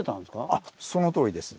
あっそのとおりです。